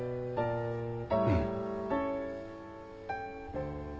うん。